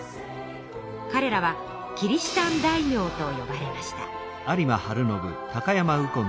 かれらはキリシタン大名とよばれました。